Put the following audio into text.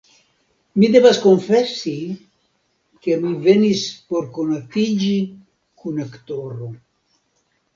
Mi devas konfesi, ke mi venis por konatiĝi kun aktoro.